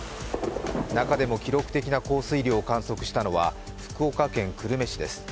中でも記録的な降水量を観測したのは福岡県久留米市です。